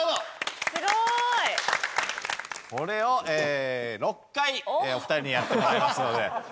これを６回お二人にやってもらいますので。